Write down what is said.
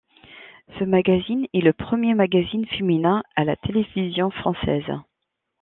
Ce magazine est le premier magazine féminin à la télévision française.